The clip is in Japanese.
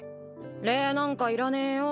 礼なんかいらねえよ。